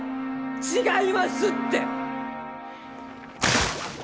違いますって！